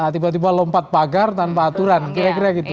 tiba tiba lompat pagar tanpa aturan kira kira gitu